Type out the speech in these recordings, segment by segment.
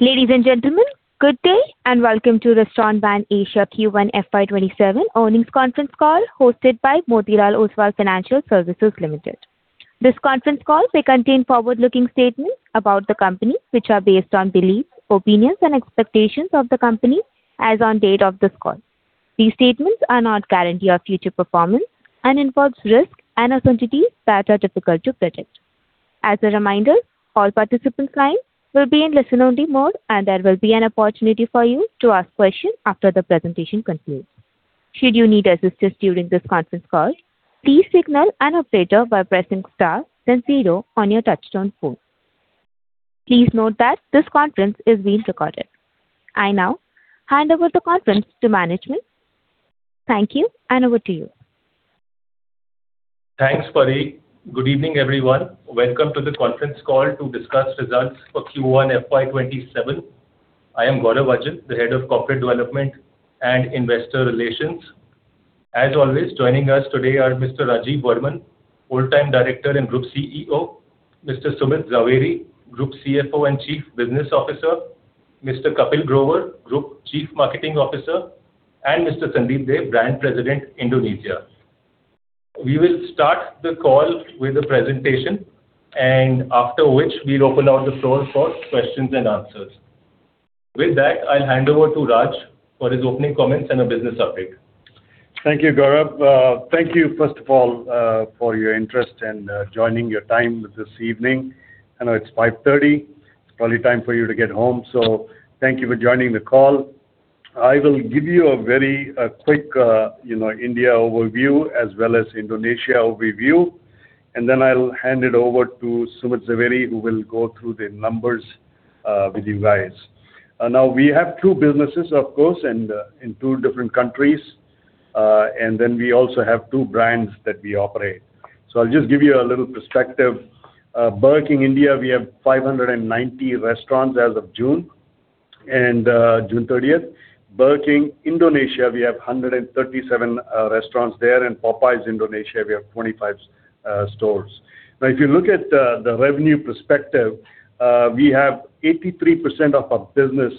Ladies and gentlemen, good day. Welcome to Restaurant Brands Asia Q1 fiscal year 2027 earnings conference call hosted by Motilal Oswal Financial Services Limited. This conference call may contain forward-looking statements about the company, which are based on beliefs, opinions and expectations of the company as on date of this call. These statements are not guarantee of future performance and involves risk and uncertainties that are difficult to predict. As a reminder, all participants' lines will be in listen-only mode. There will be an opportunity for you to ask questions after the presentation concludes. Should you need assistance during this conference call, please signal an operator by pressing star then zero on your touch-tone phone. Please note that this conference is being recorded. I now hand over the conference to management. Thank you. Over to you. Thanks, Pari. Good evening, everyone. Welcome to the conference call to discuss results for Q1 fiscal year 2027. I am Gaurav Ajjan, the Head of Corporate Development and Investor Relations. As always, joining us today are Mr. Rajeev Varman, Whole-Time Director and Group Chief Executive Officer, Mr. Sumit Zaveri, Group Chief Financial Officer and Chief Business Officer, Mr. Kapil Grover, Group Chief Marketing Officer, and Mr. Sandeep Dey, Brand President, Indonesia. We will start the call with a presentation. After which, we will open up the floor for questions and answers. With that, I will hand over to Rajeev for his opening comments and a business update. Thank you, Gaurav. Thank you, first of all, for your interest in joining, your time this evening. I know it is 5:30 P.M.. It is probably time for you to get home. Thank you for joining the call. I will give you a very quick India overview as well as Indonesia overview. Then I will hand it over to Sumit Zaveri, who will go through the numbers with you guys. We have two businesses, of course, in two different countries. Then we also have two brands that we operate. I will just give you a little perspective. Burger King India, we have 590 restaurants as of June 30th. Burger King Indonesia, we have 137 restaurants there. Popeyes Indonesia, we have 25 stores. If you look at the revenue perspective, 83% of our business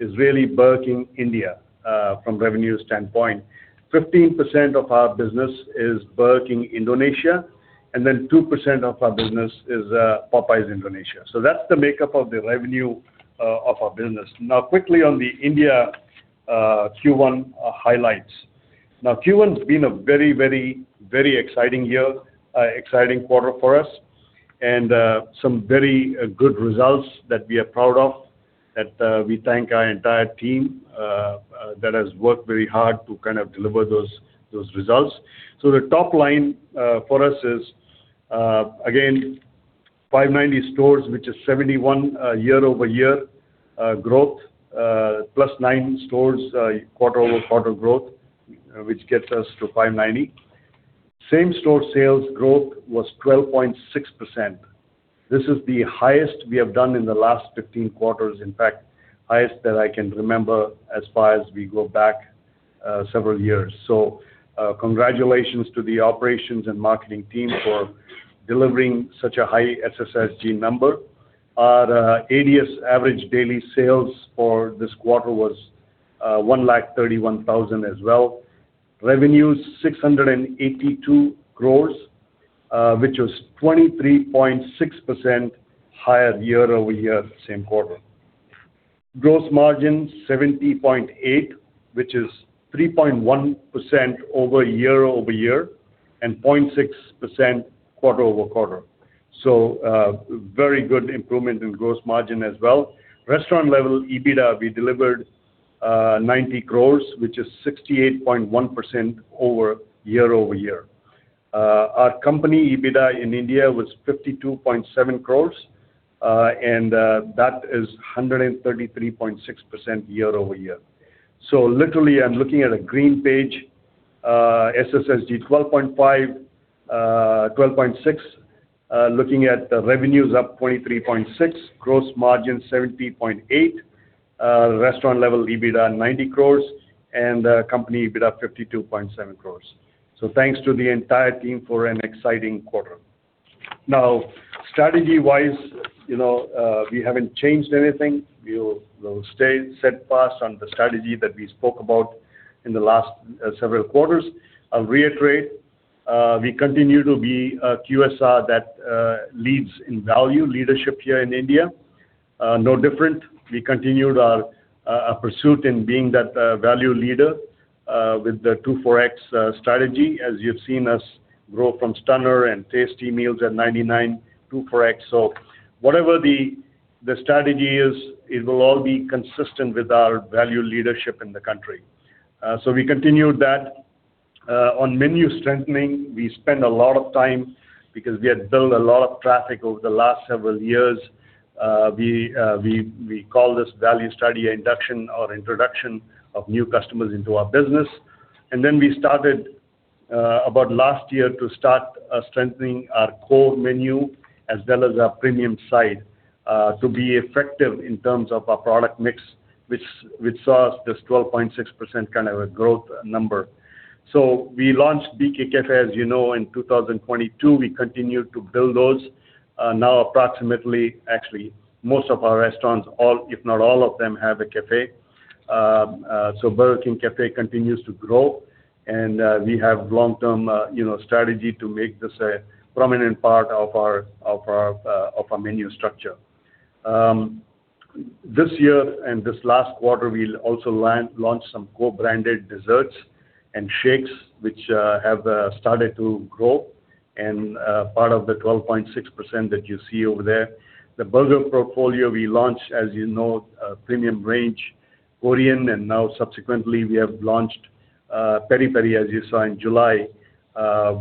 is really Burger King India, from revenue standpoint. 15% of our business is Burger King Indonesia. Then 2% of our business is Popeyes Indonesia. That is the makeup of the revenue of our business. Quickly on the India Q1 highlights. Q1 has been a very exciting year, exciting quarter for us, some very good results that we are proud of, that we thank our entire team that has worked very hard to deliver those results. The top line for us is, again, 590 stores, which is 71 year-over-year growth, plus nine stores quarter-over-quarter growth, which gets us to 590. Same-store sales growth was 12.6%. This is the highest we have done in the last 15 quarters, in fact, highest that I can remember as far as we go back several years. Congratulations to the operations and marketing team for delivering such a high SSSG number. Our ADS, Average Daily Sales for this quarter was 1,31,000 as well. Revenues, 682 crore, which was 23.6% higher year-over-year same quarter. Gross margin, 70.8%, which is 3.1% over year-over-year and 0.6% quarter-over-quarter. Very good improvement in gross margin as well. Restaurant level EBITDA, we delivered 90 crore, which is 68.1% over year-over-year. Our company EBITDA in India was 52.7 crore. That is 133.6% year-over-year. Literally, I'm looking at a green page, SSSG 12.5%, 12.6%. Looking at revenues up 23.6%, gross margin 70.8%. Restaurant level EBITDA 90 crore and company EBITDA 52.7 crore. Thanks to the entire team for an exciting quarter. Strategy-wise, we haven't changed anything. We'll stay steadfast on the strategy that we spoke about in the last several quarters. I'll reiterate. We continue to be a QSR that leads in value leadership here in India. No different. We continued our pursuit in being that value leader with the two for X strategy. As you've seen us grow from Stunner and Tasty Meals at 99, two for X. Whatever the strategy is, it will all be consistent with our value leadership in the country. We continued that. On menu strengthening, we spend a lot of time because we had built a lot of traffic over the last several years. We call this value study induction or introduction of new customers into our business. Then we started about last year to start strengthening our core menu as well as our premium side to be effective in terms of our product mix, which saw this 12.6% kind of a growth number. We launched BK Cafe, as you know, in 2022. We continued to build those. Approximately, actually, most of our restaurants, if not all of them, have a cafe. Burger King Cafe continues to grow, and we have long-term strategy to make this a prominent part of our menu structure. This year and this last quarter, we'll also launch some co-branded desserts and shakes, which have started to grow and part of the 12.6% that you see over there. The burger portfolio we launched, as you know, premium range Korean, and subsequently, we have launched Peri-Peri, as you saw in July.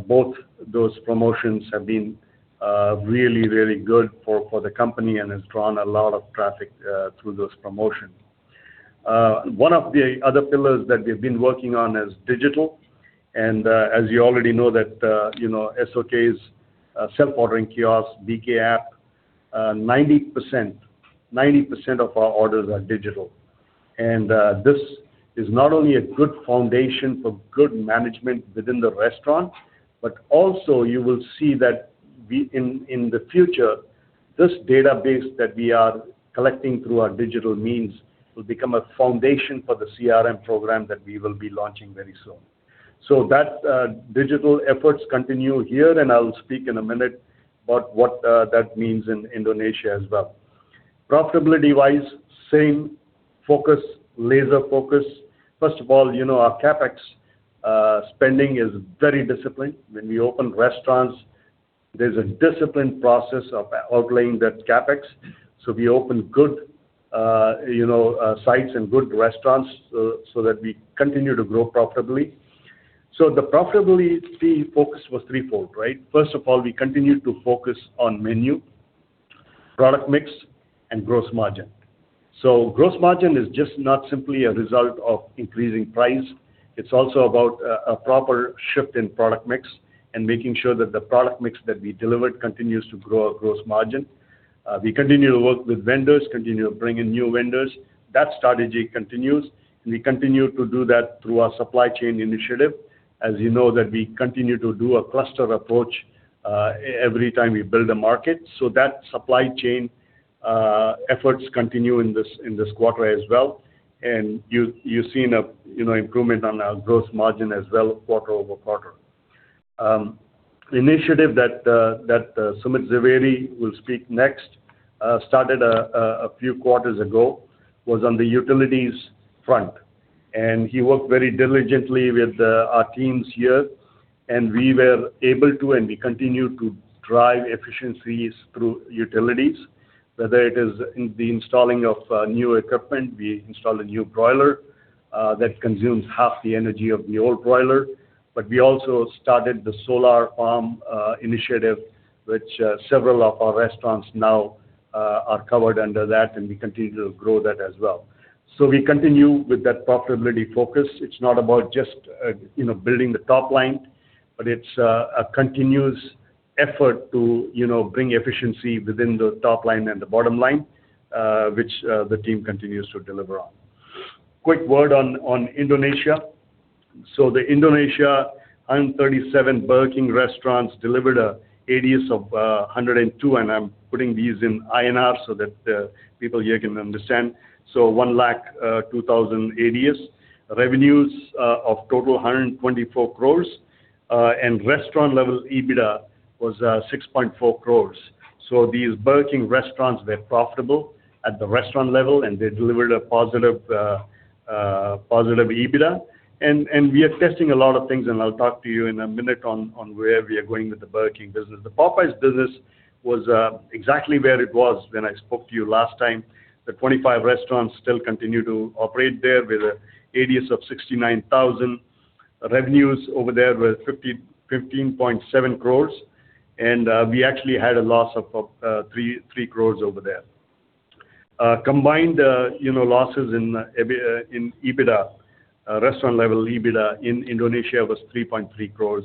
Both those promotions have been really, really good for the company and has drawn a lot of traffic through those promotions. One of the other pillars that we've been working on is digital, and, as you already know that SOKs, Self-Ordering Kiosk, BK app, 90% of our orders are digital. This is not only a good foundation for good management within the restaurant, but also you will see that in the future, this database that we are collecting through our digital means will become a foundation for the CRM program that we will be launching very soon. Digital efforts continue here, and I will speak in a minute about what that means in Indonesia as well. Profitability-wise, same focus, laser focus. First of all, our CapEx spending is very disciplined. When we open restaurants, there's a disciplined process of outlaying that CapEx. We open good sites and good restaurants so that we continue to grow profitably. The profitability focus was threefold, right? First of all, we continued to focus on menu, product mix, and gross margin. Gross margin is just not simply a result of increasing price. It's also about a proper shift in product mix and making sure that the product mix that we delivered continues to grow our gross margin. We continue to work with vendors, continue to bring in new vendors. That strategy continues, and we continue to do that through our supply chain initiative. As you know, that we continue to do a cluster approach every time we build a market. That supply chain efforts continue in this quarter as well. You've seen improvement on our gross margin as well quarter-over-quarter. Initiative that Sumit Zaveri will speak next started a few quarters ago, was on the utilities front. He worked very diligently with our teams here, and we continue to drive efficiencies through utilities, whether it is the installing of new equipment. We installed a new broiler that consumes half the energy of the old broiler. We also started the solar farm initiative, which several of our restaurants now are covered under that, and we continue to grow that as well. We continue with that profitability focus. It's not about just building the top line, but it's a continuous effort to bring efficiency within the top line and the bottom line, which the team continues to deliver on. Quick word on Indonesia. The Indonesia 137 Burger King restaurants delivered an ADS of 102, and I'm putting these in INR so that people here can understand. 1 lakh, 2,000 ADS. Revenues of total 124 crore, and restaurant level EBITDA was 6.4 crore. These Burger King restaurants were profitable at the restaurant level, and they delivered a positive EBITDA. We are testing a lot of things, and I'll talk to you in a minute on where we are going with the Burger King business. The Popeyes business was exactly where it was when I spoke to you last time. The 25 restaurants still continue to operate there with an ADS of 69,000. Revenues over there were 15.7 crore, and we actually had a loss of 3 crore over there. Combined losses in restaurant level EBITDA in Indonesia was 3.3 crore.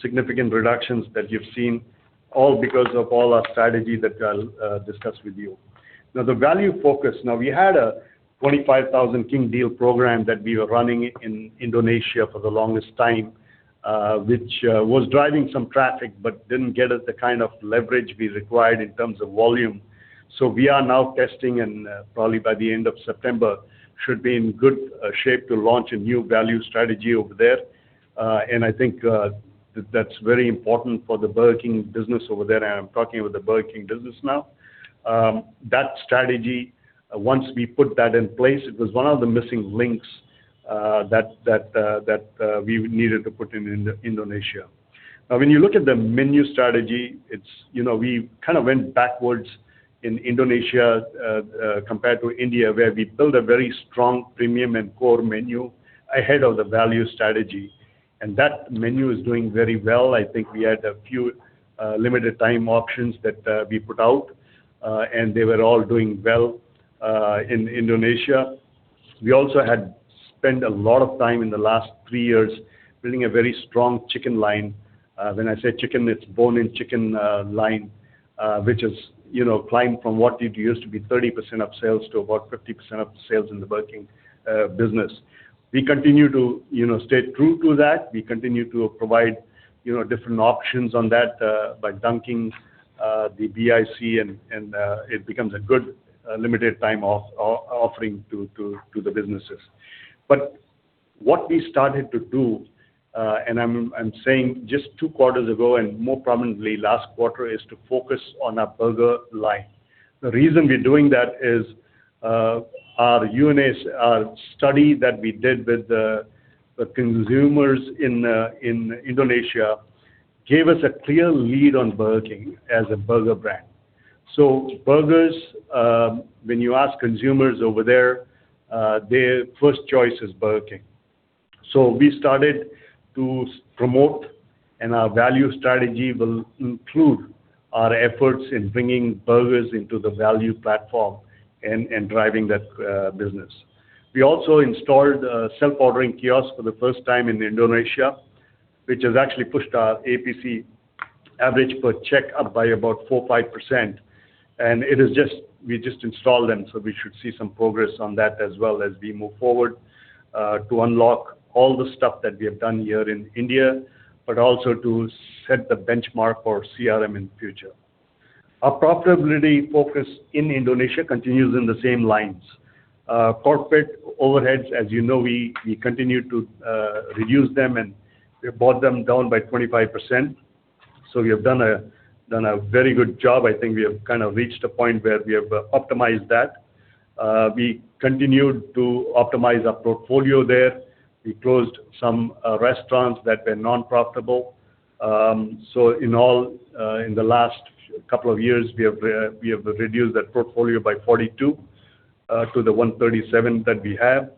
Significant reductions that you've seen, all because of all our strategy that I'll discuss with you. The value focus. We had a 25,000 King deal program that we were running in Indonesia for the longest time, which was driving some traffic but didn't get us the kind of leverage we required in terms of volume. We are now testing and probably by the end of September should be in good shape to launch a new value strategy over there. I think that's very important for the Burger King business over there, and I'm talking about the Burger King business now. That strategy, once we put that in place, it was one of the missing links that we needed to put in Indonesia. When you look at the menu strategy, we kind of went backwards in Indonesia, compared to India, where we built a very strong premium and core menu ahead of the value strategy. That menu is doing very well. I think we had a few limited time options that we put out, and they were all doing well in Indonesia. We also had spent a lot of time in the last three years building a very strong chicken line. When I say chicken, it's bone-in chicken line. Which has climbed from what it used to be, 30% of sales to about 50% of the sales in the Burger King business. We continue to stay true to that. We continue to provide different options on that by dunking the BIC, and it becomes a good limited time offering to the businesses. What we started to do, and I'm saying just two quarters ago and more prominently last quarter, is to focus on our burger line. The reason we're doing that is our study that we did with the consumers in Indonesia gave us a clear lead on Burger King as a burger brand. Burgers, when you ask consumers over there, their first choice is Burger King. We started to promote, and our value strategy will include our efforts in bringing burgers into the value platform and driving that business. We also installed a Self-Ordering Kiosk for the first time in Indonesia, which has actually pushed our APC average per check up by about 4%, 5%. We just installed them, so we should see some progress on that as well as we move forward to unlock all the stuff that we have done here in India, but also to set the benchmark for CRM in future. Our profitability focus in Indonesia continues in the same lines. Corporate overheads, as you know, we continue to reduce them, and we have brought them down by 25%. We have done a very good job. I think we have reached a point where we have optimized that. We continued to optimize our portfolio there. We closed some restaurants that were non-profitable. In the last couple of years, we have reduced that portfolio by 42 restaurants to the 137 restaurants that we have.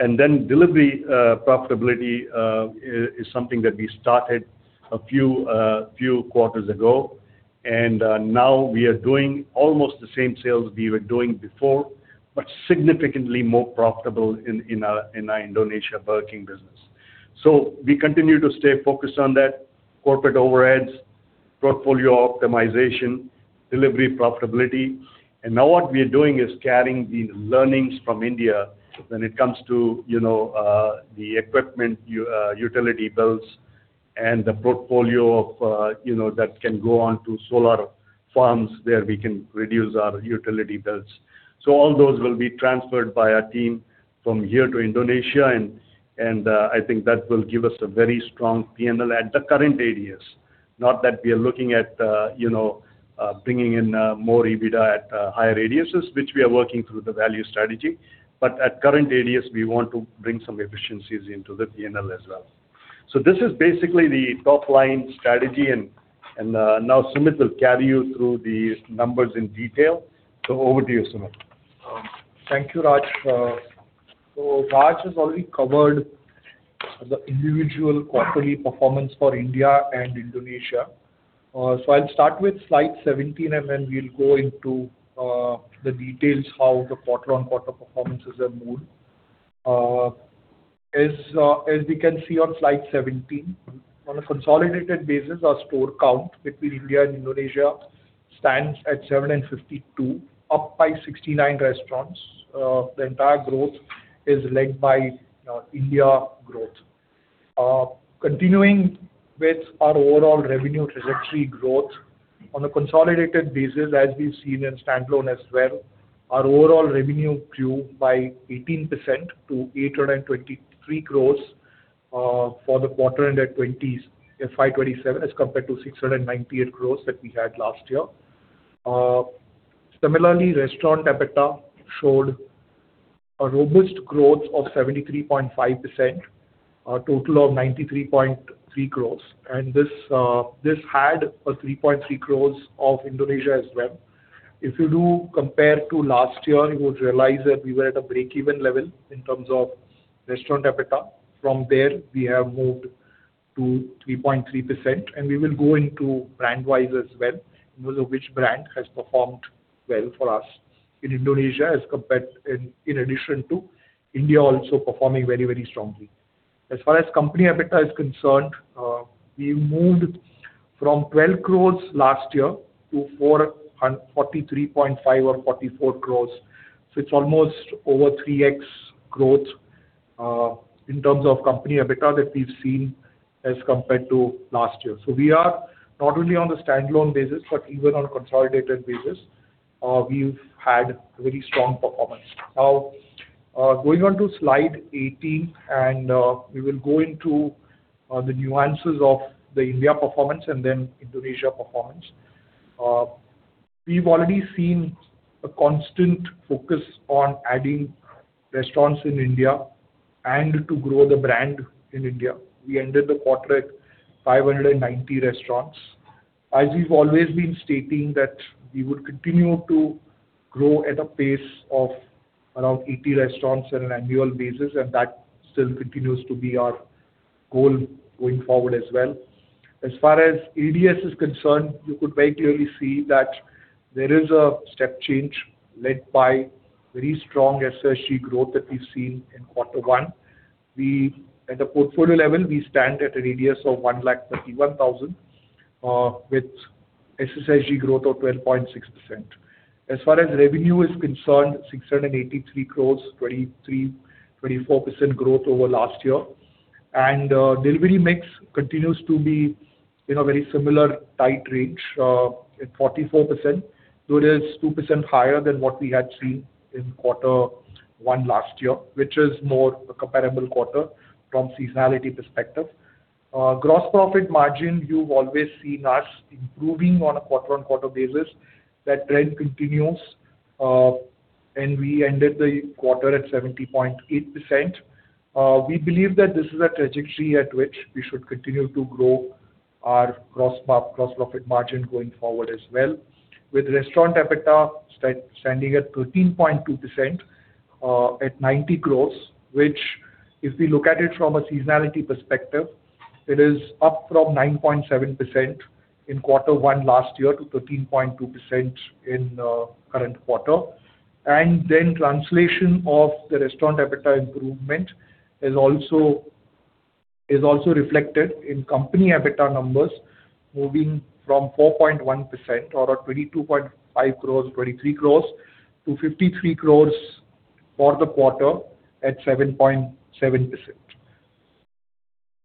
And then delivery profitability is something that we started a few quarters ago. Now we are doing almost the same sales we were doing before, but significantly more profitable in our Indonesia Burger King business. We continue to stay focused on that. Corporate overheads, portfolio optimization, delivery profitability. Now what we are doing is carrying the learnings from India when it comes to the equipment, utility bills, and the portfolio that can go on to solar farms, there we can reduce our utility bills. All those will be transferred by our team from here to Indonesia. I think that will give us a very strong P&L at the current ADS. Not that we are looking at bringing in more EBITDA at higher ADS, which we are working through the value strategy. At current ADS, we want to bring some efficiencies into the P&L as well. This is basically the top-line strategy. Now Sumit will carry you through the numbers in detail. Over to you, Sumit. Thank you, Rajeev. Rajeev has already covered the individual quarterly performance for India and Indonesia. I'll start with slide 17. Then we'll go into the details how the quarter-on-quarter performances have moved. As we can see on slide 17, on a consolidated basis, our store count between India and Indonesia stands at 752, up by 69 restaurants. The entire growth is led by India growth. Continuing with our overall revenue trajectory growth. On a consolidated basis, as we've seen in standalone as well, our overall revenue grew by 18% to 823 crore for the quarter ended 2025, 2027, as compared to 698 crore that we had last year. Similarly, restaurant EBITDA showed a robust growth of 73.5%, a total of 93.3 crore. This had a 3.3 crore of Indonesia as well. If you do compare to last year, you would realize that we were at a breakeven level in terms of restaurant EBITDA. From there, we have moved to 3.3%. We will go into brand-wise as well, in terms of which brand has performed well for us in Indonesia, in addition to India also performing very strongly. As far as company EBITDA is concerned, we moved from 12 crore last year to 43.5 or 44 crore. It's almost over 3x growth in terms of company EBITDA that we've seen as compared to last year. We are not only on the standalone basis, but even on a consolidated basis, we've had very strong performance. Going on to slide 18, we will go into the nuances of the India performance. Then Indonesia performance. We've already seen a constant focus on adding restaurants in India to grow the brand in India. We ended the quarter at 590 restaurants. As we've always been stating that we would continue to grow at a pace of around 80 restaurants at an annual basis, that still continues to be our goal going forward as well. As far as ADS is concerned, you could very clearly see that there is a step change led by very strong SSSG growth that we've seen in quarter one. At the portfolio level, we stand at an ADS of 131,000 with SSSG growth of 12.6%. As far as revenue is concerned, 683 crore, 23%-24% growth over last year. Delivery mix continues to be in a very similar tight range at 44%. It is 2% higher than what we had seen in quarter one last year, which is more a comparable quarter from seasonality perspective. Gross profit margin, you've always seen us improving on a quarter-over-quarter basis. That trend continues, we ended the quarter at 70.8%. We believe that this is a trajectory at which we should continue to grow our gross profit margin going forward as well. With restaurant EBITDA standing at 13.2% at 90 crore, which if we look at it from a seasonality perspective, it is up from 9.7% in quarter one last year to 13.2% in the current quarter. Translation of the restaurant EBITDA improvement is also reflected in company EBITDA numbers moving from 4.1% or 22.5 crore, 23 crore-53 crore for the quarter at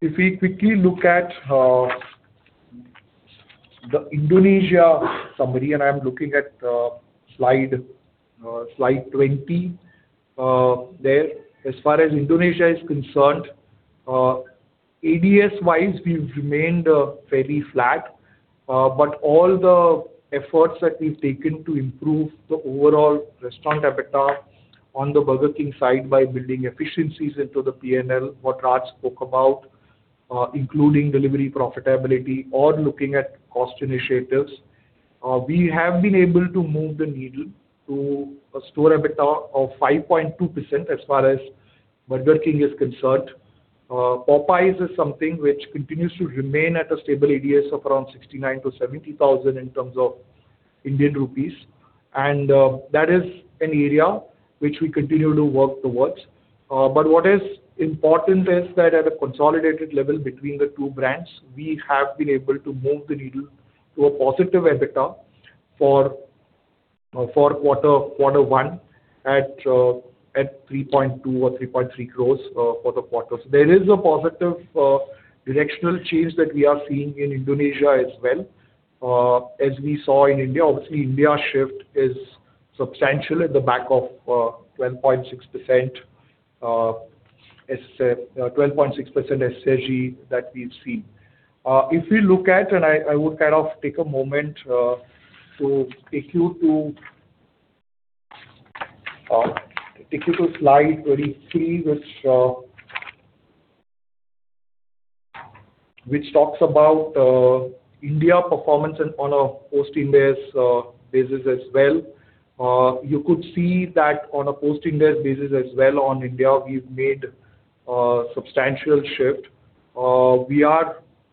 7.7%. We quickly look at the Indonesia summary, I'm looking at slide 20 there. As far as Indonesia is concerned, ADS-wise, we've remained very flat. All the efforts that we've taken to improve the overall restaurant EBITDA on the Burger King side by building efficiencies into the P&L, what Raj spoke about, including delivery profitability or looking at cost initiatives. We have been able to move the needle to a store EBITDA of 5.2% as far as Burger King is concerned. Popeyes is something which continues to remain at a stable ADS of around 69,000-70,000, and that is an area which we continue to work towards. What is important is that at a consolidated level between the two brands, we have been able to move the needle to a positive EBITDA for quarter one at 3.2 or 3.3 crore for the quarter. There is a positive directional change that we are seeing in Indonesia as well. As we saw in India, obviously India shift is substantial at the back of 12.6% SSSG that we've seen. We look at, I would take a moment to take you to slide 23, which talks about India performance on a post-Ind AS basis as well. You could see that on a post-Ind AS basis as well on India, we've made a substantial shift.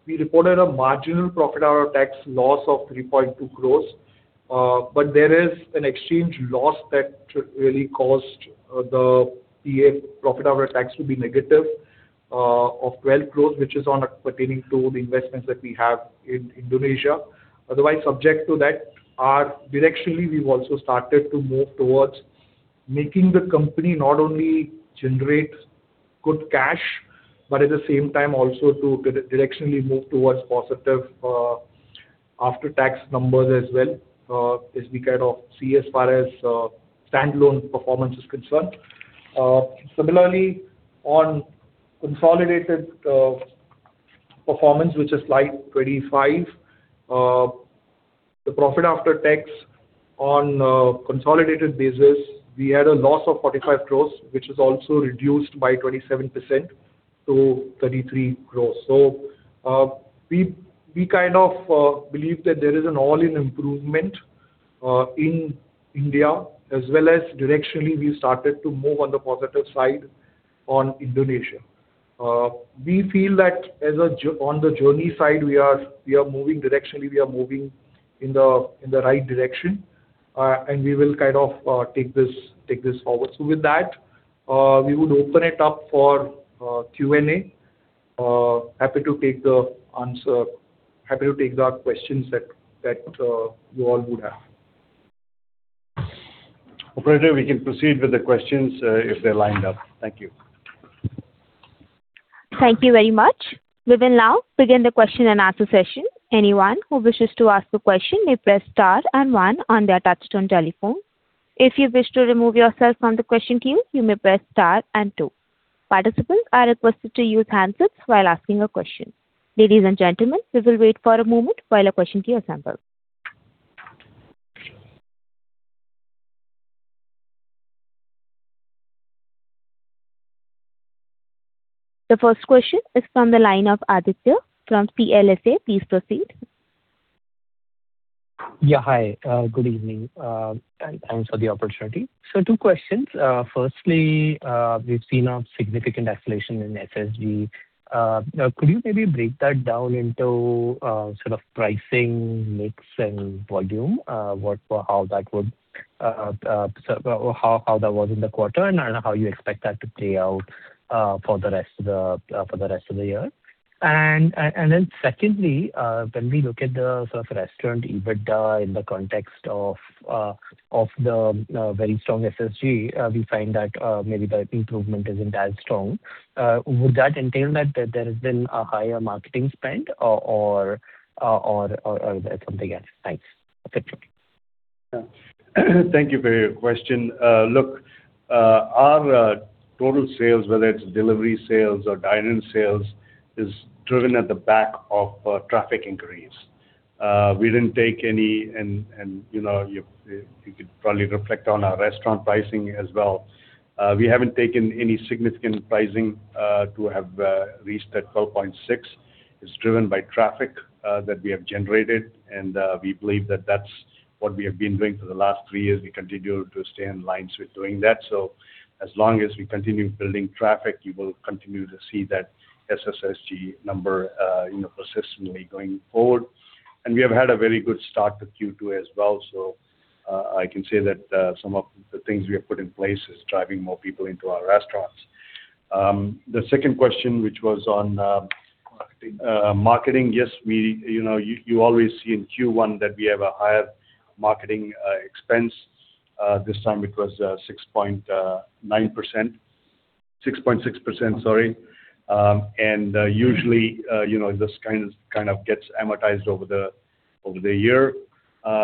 We reported a marginal profit after tax loss of 3.2 crore. There is an exchange loss that really caused the PAT, profit after tax, to be negative of 12 crore, which is on pertaining to the investments that we have in Indonesia. Otherwise, subject to that, directionally, we've also started to move towards making the company not only generate good cash, but at the same time also to directionally move towards positive after-tax numbers as well, as we see as far as standalone performance is concerned. Similarly, on consolidated performance, which is slide 25, the profit after tax on a consolidated basis, we had a loss of 45 crore, which is also reduced by 27% to 33 crore. We believe that there is an all-in improvement in India as well as directionally, we started to move on the positive side on Indonesia. We feel that on the journey side, directionally, we are moving in the right direction, and we will take this forward. With that, we would open it up for Q&A. Happy to take the questions that you all would have. Operator, we can proceed with the questions if they're lined up. Thank you. Thank you very much. We will now begin the question-and-answer session. Anyone who wishes to ask a question may press star and one on their touch-tone telephone. If you wish to remove yourself from the question queue, you may press star and two. Participants are requested to use handsets while asking a question. Ladies and gentlemen, we will wait for a moment while a question queue assembles. The first question is from the line of Aditya Jakhotia from Prabhudas Lilladher. Please proceed. Yeah. Hi, good evening, and thanks for the opportunity. Two questions. Firstly, we've seen a significant acceleration in SSSG. Could you maybe break that down into sort of pricing, mix, and volume? How that was in the quarter and how you expect that to play out for the rest of the year? Secondly, when we look at the sort of restaurant EBITDA in the context of the very strong SSSG, we find that maybe the improvement isn't as strong. Would that entail that there has been a higher marketing spend or is that something else? Thanks. Thank you for your question. Look, our total sales, whether it's delivery sales or dine-in sales, is driven at the back of traffic increase. We didn't take any. You could probably reflect on our restaurant pricing as well. We haven't taken any significant pricing to have reached that 12.6%. It's driven by traffic that we have generated, and we believe that that's what we have been doing for the last three years. We continue to stay in line with doing that. As long as we continue building traffic, you will continue to see that SSSG number persistently going forward. We have had a very good start to Q2 as well, so I can say that some of the things we have put in place is driving more people into our restaurants. Marketing. Yes, you always see in Q1 that we have a higher marketing expense. This time it was 6.9%. 6.6%, sorry. Usually, this kind of gets amortized over the year.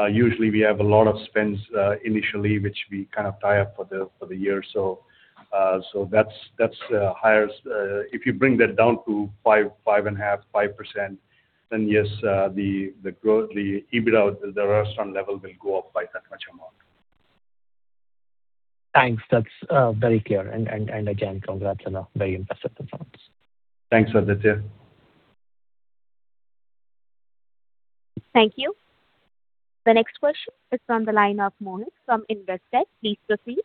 Usually, we have a lot of spends initially, which we tie up for the year. That's highest. If you bring that down to 5.5%, then yes, the EBITDA at the restaurant level will go up by that much amount. Thanks. That's very clear. Again, congrats on a very impressive performance. Thanks, Aditya. Thank you. The next question is from the line of Monik Bhardwaj from Investec. Please proceed.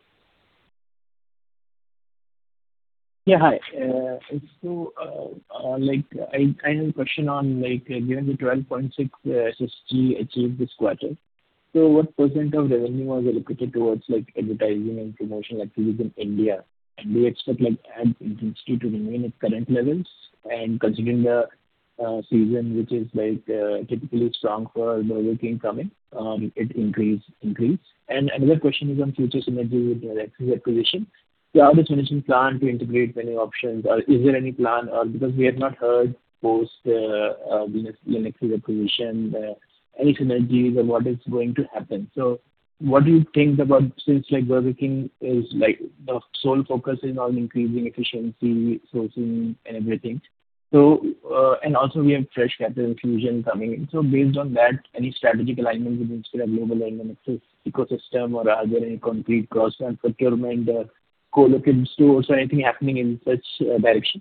Yeah, hi. I have a question on, given the 12.6% SSSG achieved this quarter, so what percent of revenue was allocated towards advertising and promotion activities in India? Do you expect ad intensity to remain at current levels? Considering the season, which is typically strong for Burger King coming, it increased. Another question is on future synergy with the Lenexis acquisition. How does Lenexis plan to integrate venue options? Or is there any plan? Because we have not heard post the Lenexis acquisition any synergies on what is going to happen. What do you think about, since Burger King The sole focus is on increasing efficiency, sourcing, and everything. Also we have fresh capital infusion coming in. Based on that, any strategic alignment with Inspira Global and Lenexis ecosystem, or are there any concrete cross-sell procurement, co-located stores or anything happening in such direction?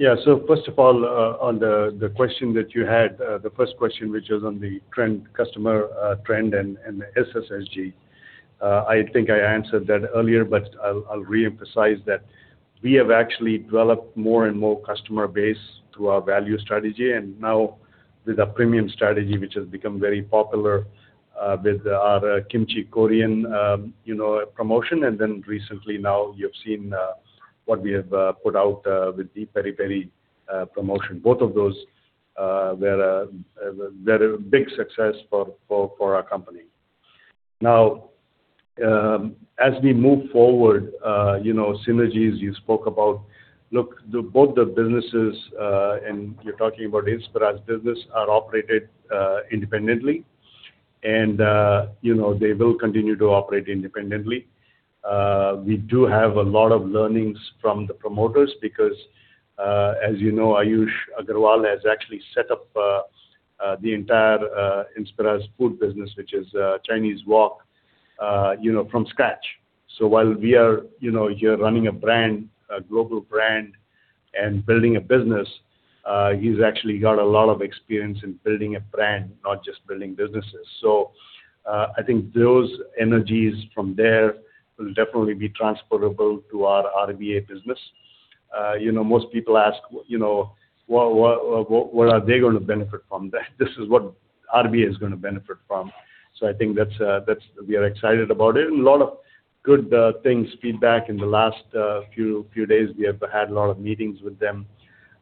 Yeah. First of all, on the question that you had, the first question, which was on the customer trend and the SSSG. I think I answered that earlier, but I'll reemphasize that we have actually developed more and more customer base through our value strategy, and now with a premium strategy, which has become very popular, with our Kimchi Korean promotion. Recently now you've seen what we have put out with the Peri-Peri promotion. Both of those were a big success for our company. Now, as we move forward, synergies you spoke about. Look, both the businesses, and you're talking about Inspira business, are operated independently and they will continue to operate independently. We do have a lot of learnings from the promoters because, as you know, Aayush Agrawal has actually set up the entire Inspira Food business, which is Chinese Wok, from scratch. While we are here running a brand, a global brand, and building a business, he's actually got a lot of experience in building a brand, not just building businesses. I think those synergies from there will definitely be transferable to our RBA business. Most people ask, what are they going to benefit from that? This is what RBA is going to benefit from. I think we are excited about it, and a lot of good things, feedback in the last few days. We have had a lot of meetings with them,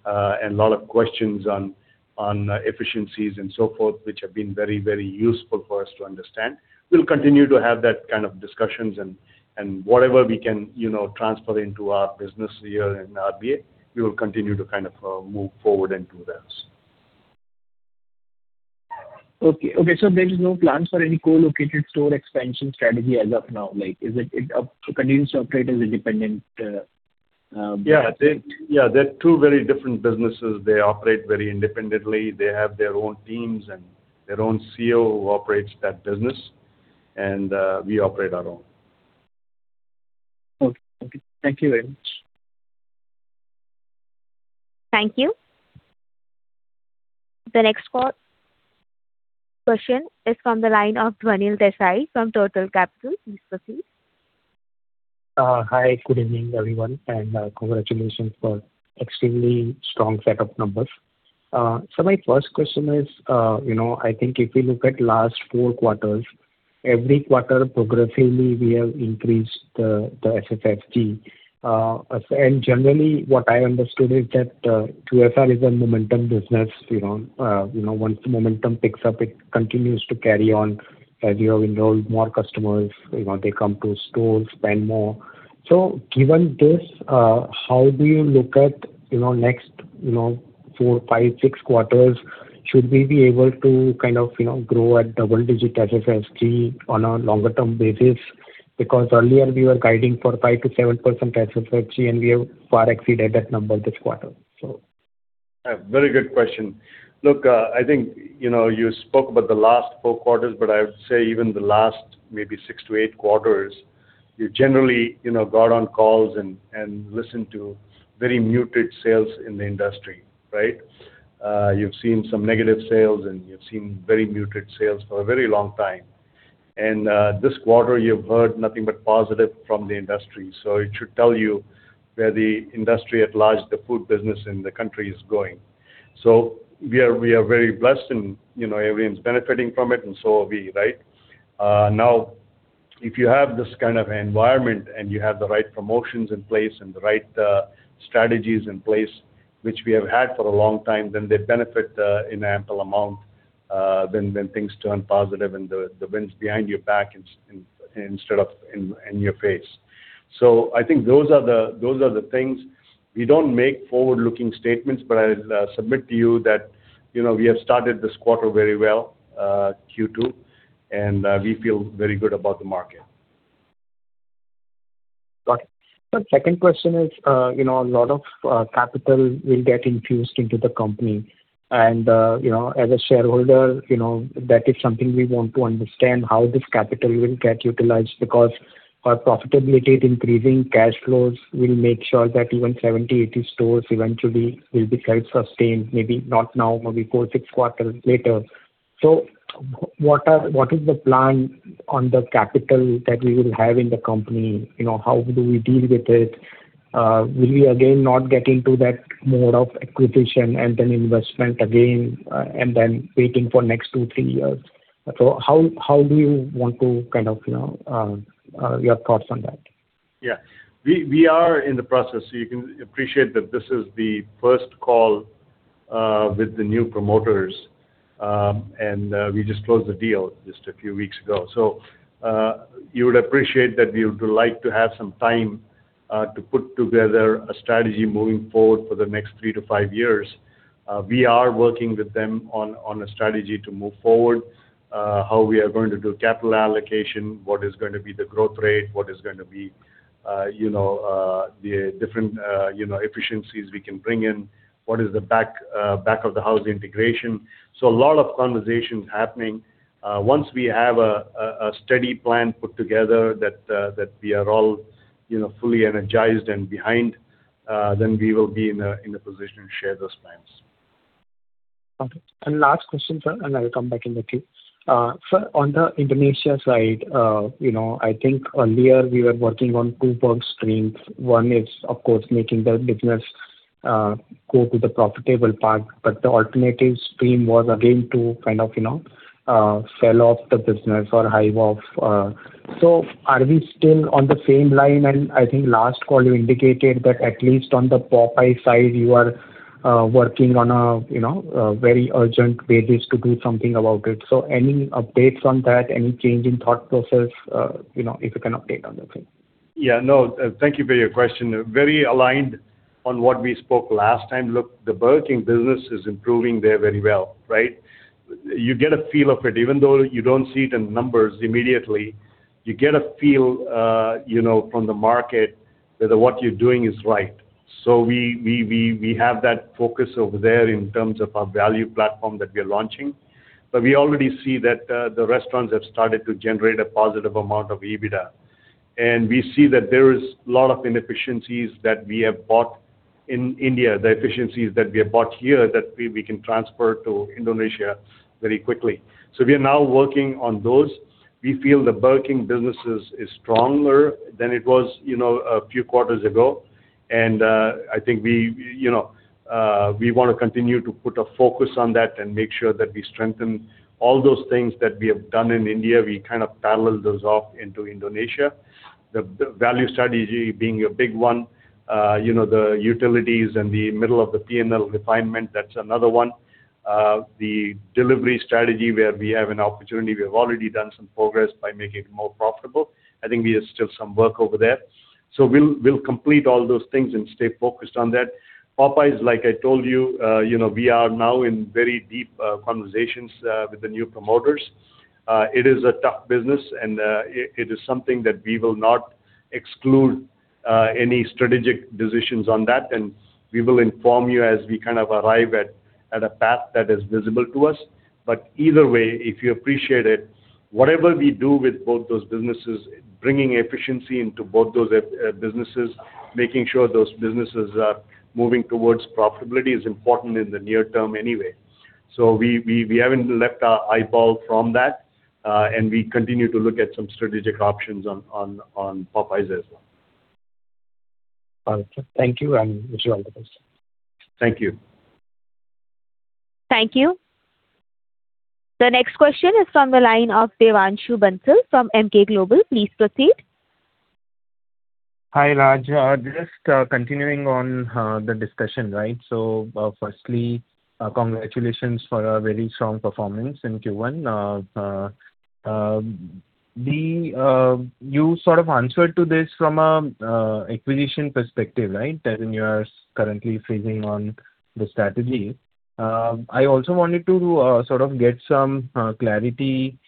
and a lot of questions on efficiencies and so forth, which have been very useful for us to understand. We'll continue to have that kind of discussions and whatever we can transfer into our business here in RBA, we will continue to move forward and do this. Okay. There is no plans for any co-located store expansion strategy as of now? Like, is it to continue to operate as independent-? Yeah. They're two very different businesses. They operate very independently. They have their own teams and their own Chief Executive Officer who operates that business, and we operate our own. Okay. Thank you very much. Thank you. The next question is from the line of Dhwanil Desai from Turtle Capital. Please proceed. Hi, good evening, everyone, congratulations for extremely strong set of numbers. My first question is, I think if you look at last four quarters, every quarter progressively we have increased the SSSG. Generally what I understood is that QSR is a momentum business. Once the momentum picks up, it continues to carry on. As you have enrolled more customers, they come to stores, spend more. Given this, how do you look at next four, five, six quarters? Should we be able to kind of grow at double digit SSSG on a longer term basis? Earlier we were guiding for 5%-7% SSSG, and we have far exceeded that number this quarter. Very good question. I think, you spoke about the last four quarters, but I would say even the last maybe six to eight quarters, you generally got on calls and listened to very muted sales in the industry, right? You've seen some negative sales, you've seen very muted sales for a very long time. This quarter you've heard nothing but positive from the industry. It should tell you where the industry at large, the food business in the country is going. We are very blessed and everyone's benefiting from it and so are we, right? If you have this kind of environment and you have the right promotions in place and the right strategies in place, which we have had for a long time, then they benefit, in ample amount, when things turn positive and the wind's behind your back instead of in your face. I think those are the things. We don't make forward-looking statements, but I'll submit to you that we have started this quarter very well, Q2, and, we feel very good about the market. Got it. Second question is, a lot of capital will get infused into the company and, as a shareholder, that is something we want to understand, how this capital will get utilized because our profitability is increasing, cash flows will make sure that even 70 stores, 80 stores eventually will be quite sustained, maybe not now, maybe four, six quarters later. What is the plan on the capital that we will have in the company? How do we deal with it? Will we again not get into that mode of acquisition and an investment again, and then waiting for next two, three years? How do you want to kind of Your thoughts on that? Yeah. We are in the process. You can appreciate that this is the first call with the new promoters, and we just closed the deal just a few weeks ago. You would appreciate that we would like to have some time to put together a strategy moving forward for the next three to five years. We are working with them on a strategy to move forward. How we are going to do capital allocation, what is going to be the growth rate, what is going to be the different efficiencies we can bring in, what is the back of the house integration. A lot of conversation happening. Once we have a steady plan put together that we are all fully energized and behind, then we will be in a position to share those plans. Okay. Last question, sir, and I will come back in the queue. Sir, on the Indonesia side, I think earlier we were working on two broad streams. One is, of course, making the business go to the profitable part, but the alternative stream was again to kind of sell off the business or hive off. Are we still on the same line? I think last call you indicated that at least on the Popeyes side, you are working on a very urgent basis to do something about it. Any updates on that? Any change in thought process? If you can update on that thing. Yeah, no. Thank you for your question. Very aligned on what we spoke last time. Look, the Burger King business is improving there very well, right? You get a feel of it. Even though you don't see it in numbers immediately, you get a feel from the market that what you're doing is right. We have that focus over there in terms of our value platform that we are launching. We already see that the restaurants have started to generate a positive amount of EBITDA. We see that there is a lot of inefficiencies that we have bought in India, the efficiencies that we have bought here that we can transfer to Indonesia very quickly. We are now working on those. We feel the Burger King business is stronger than it was a few quarters ago. I think we want to continue to put a focus on that and make sure that we strengthen all those things that we have done in India. We kind of parallel those off into Indonesia. The value strategy being a big one. The utilities and the middle of the P&L refinement, that's another one. The delivery strategy where we have an opportunity, we have already done some progress by making it more profitable. I think we have still some work over there. We'll complete all those things and stay focused on that. Popeyes, like I told you, we are now in very deep conversations with the new promoters. It is a tough business, and it is something that we will not exclude any strategic decisions on that. We will inform you as we kind of arrive at a path that is visible to us. Either way, if you appreciate it, whatever we do with both those businesses, bringing efficiency into both those businesses, making sure those businesses are moving towards profitability is important in the near term anyway. We haven't left our eyeball from that, and we continue to look at some strategic options on Popeyes as well. Perfect. Thank you and wish you all the best. Thank you. Thank you. The next question is from the line of Devanshu Bansal from Emkay Global. Please proceed. Hi, Rajeev. Just continuing on the discussion, right? Firstly, congratulations for a very strong performance in Q1. You sort of answered to this from an acquisition perspective, right? That you are currently freezing on the strategy. I also wanted to sort of get some clarity,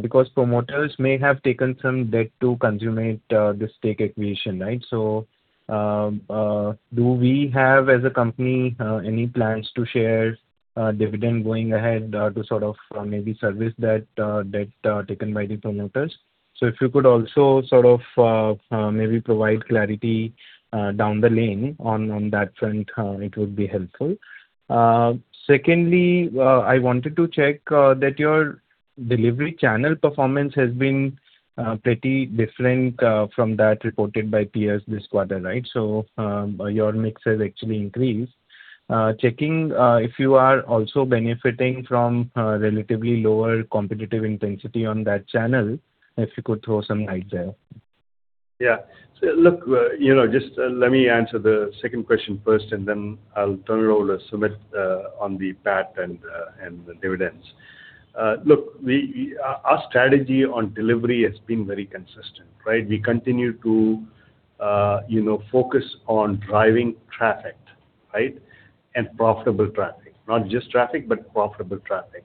because promoters may have taken some debt to consummate this stake acquisition, right? Do we have, as a company, any plans to share dividend going ahead to sort of maybe service that debt taken by the promoters? If you could also sort of maybe provide clarity down the lane on that front, it would be helpful. Secondly, I wanted to check that your delivery channel performance has been pretty different from that reported by peers this quarter, right? Your mix has actually increased. Checking if you are also benefiting from relatively lower competitive intensity on that channel, if you could throw some light there. Yeah. Look, just let me answer the second question first, then I'll turn it over to Sumit on the PAT and the dividends. Look, our strategy on delivery has been very consistent, right? We continue to focus on driving traffic, right? Profitable traffic. Not just traffic, but profitable traffic.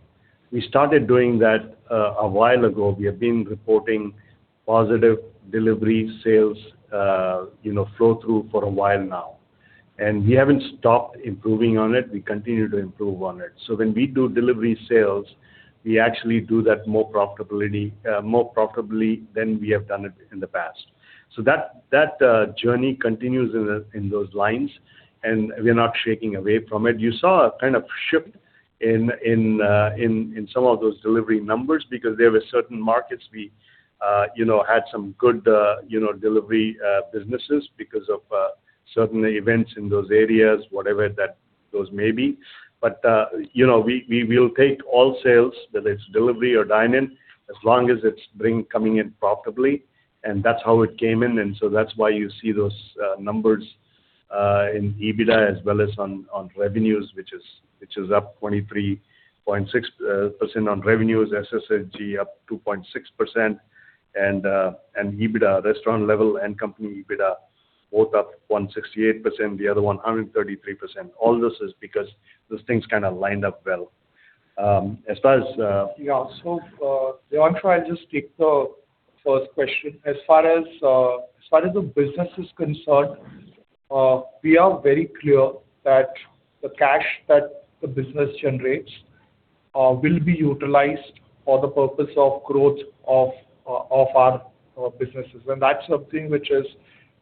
We started doing that a while ago. We have been reporting positive delivery sales flow through for a while now. We haven't stopped improving on it. We continue to improve on it. When we do delivery sales, we actually do that more profitably than we have done it in the past. That journey continues in those lines, and we're not shying away from it. You saw a kind of shift in some of those delivery numbers because there were certain markets we had some good delivery businesses because of certain events in those areas, whatever those may be. We will take all sales, whether it is delivery or dine-in, as long as it is coming in profitably. That is how it came in, That is why you see those numbers in EBITDA as well as on revenues, which is up 23.6% on revenues. SSSG up 2.6%, and EBITDA, restaurant level and company EBITDA, both up 168%, the other 133%. This is because those things kind of lined up well. Devanshu, I will just take the first question. As far as the business is concerned, we are very clear that the cash that the business generates will be utilized for the purpose of growth of our businesses. That is something which is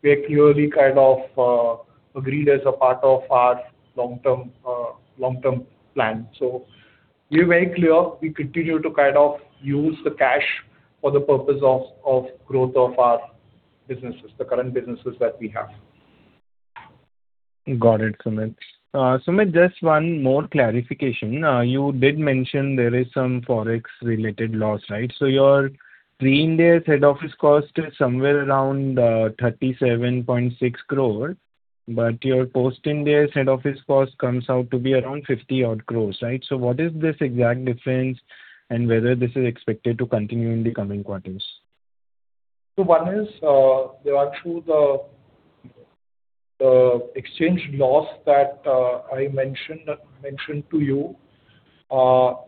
very clearly kind of agreed as a part of our long-term plan. We are very clear, we continue to kind of use the cash for the purpose of growth of our businesses, the current businesses that we have. Got it, Sumit. Sumit, just one more clarification. You did mention there is some Forex-related loss, right? Your pre-Ind AS head office cost is somewhere around 37.6 crore, but your post-Ind AS head office cost comes out to be around 50 odd crore, right? What is this exact difference, and whether this is expected to continue in the coming quarters? One is, Devanshu, the exchange loss that I mentioned to you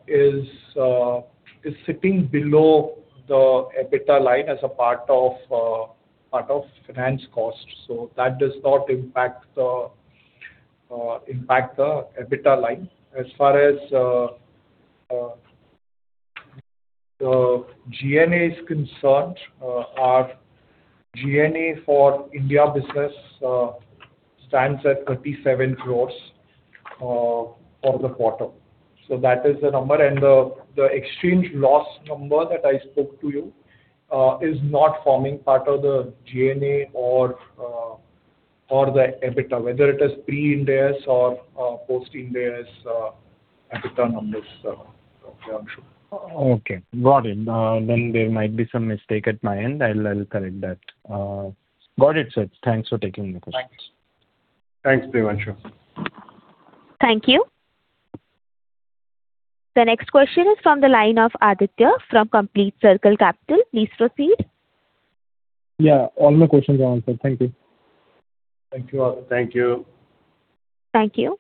is sitting below the EBITDA line as a part of finance cost. That does not impact the EBITDA line. As far as the G&A is concerned, our G&A for India business stands at 37 crore for the quarter. That is the number. The exchange loss number that I spoke to you is not forming part of the G&A or the EBITDA, whether it is pre-Ind AS or post-Ind AS EBITDA numbers, Devanshu. Okay. Got it. There might be some mistake at my end. I'll correct that. Got it, sir. Thanks for taking the question. Thanks. Thanks, Devanshu. Thank you. The next question is from the line of Aditya from Complete Circle Capital. Please proceed. Yeah. All my questions are answered. Thank you. Thank you, Aditya. Thank you. Thank you.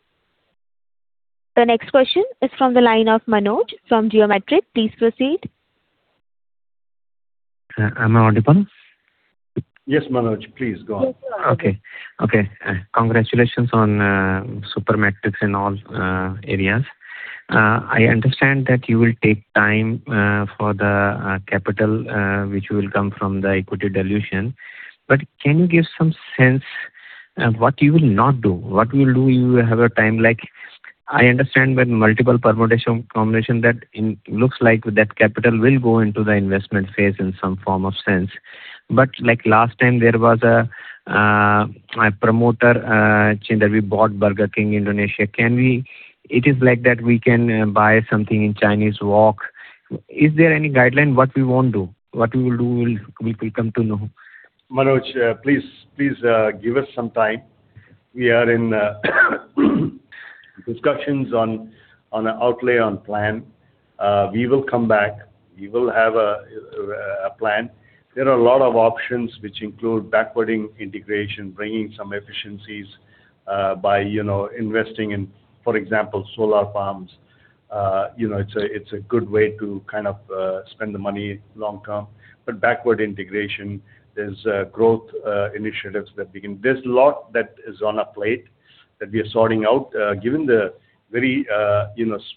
The next question is from the line of Manoj Dua from Geometric Securities. Please proceed. Am I audible? Yes, Manoj. Please, go on. Yes, you are. Okay. Congratulations on super metrics in all areas. I understand that you will take time for the capital, which will come from the equity dilution. Can you give some sense what you will not do? What you will do, you have a time like, I understand when multiple permutation, combination that looks like that capital will go into the investment phase in some form of sense. Last time there was a promoter, we bought Burger King Indonesia. It is like that we can buy something in Chinese Wok. Is there any guideline what we won't do? What we will do, we will come to know. Manoj, please give us some time. We are in discussions on the outlay on plan. We will come back. We will have a plan. There are a lot of options which include backward integration, bringing some efficiencies by investing in, for example, solar farms. It's a good way to kind of spend the money long term. Backward integration. There's a lot that is on our plate that we are sorting out. Given the very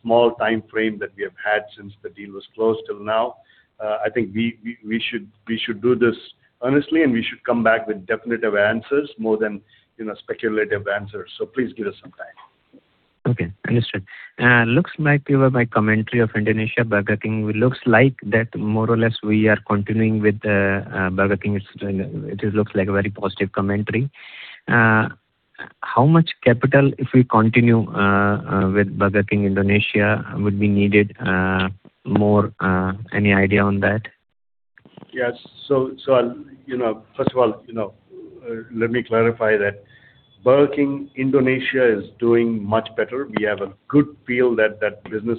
small timeframe that we have had since the deal was closed till now, I think we should do this honestly, and we should come back with definitive answers more than speculative answers. Please give us some time. Okay, understood. Looks like you have a commentary of Indonesia Burger King. It looks like that more or less we are continuing with Burger King. It looks like a very positive commentary. How much capital, if we continue with Burger King Indonesia, would be needed more? Any idea on that? Yes. First of all, let me clarify that Burger King Indonesia is doing much better. We have a good feel that that business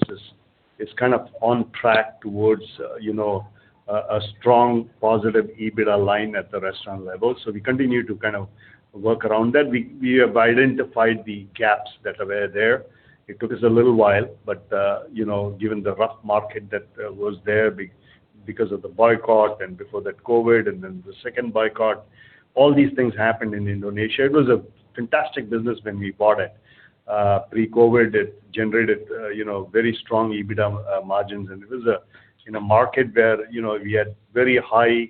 is kind of on track towards a strong positive EBITDA line at the restaurant level. We continue to kind of work around that. We have identified the gaps that were there. It took us a little while, given the rough market that was there because of the boycott and before that, COVID, and then the second boycott, all these things happened in Indonesia. It was a fantastic business when we bought it. Pre-COVID, it generated very strong EBITDA margins, and it was in a market where we had very high